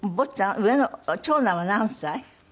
上の長男は何歳？